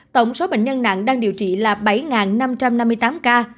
tổng số bệnh nhân nặng đang điều trị là bảy năm trăm năm mươi tám ca